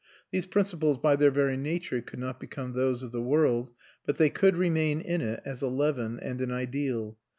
These principles by their very nature could not become those of the world, but they could remain in it as a leaven and an ideal.